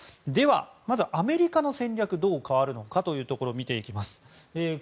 では、まずアメリカの戦略どう変わるのかというところを見ていきます。